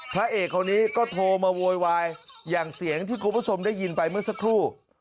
พระเอกคนนี้ก็โทรมาโวยวายอย่างเสียงที่คุณผู้ชมได้ยินไปเมื่อสักครู่